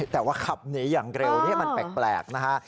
แต่ว่าขับหนีอย่างเร็วนี้มันแปลกนะฮะ